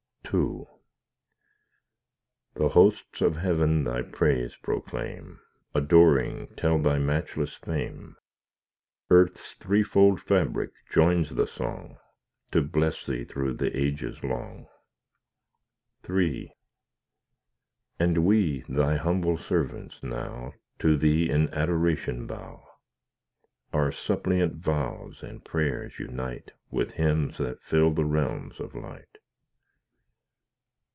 II The hosts of heaven Thy praise proclaim, Adoring, tell Thy matchless fame; Earth's threefold fabric joins the song, To bless Thee through the ages long. III And we, Thy humble servants, now To Thee in adoration bow; Our suppliant vows and prayers unite With hymns that fill the realms of light.